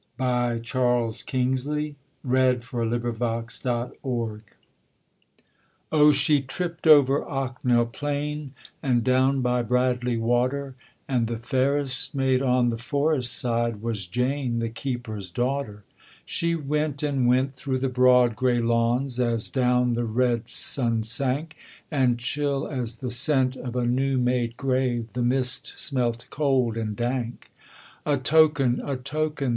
New Forest, July 12, 1847. A NEW FOREST BALLAD Oh she tripped over Ocknell plain, And down by Bradley Water; And the fairest maid on the forest side Was Jane, the keeper's daughter. She went and went through the broad gray lawns As down the red sun sank, And chill as the scent of a new made grave The mist smelt cold and dank. 'A token, a token!'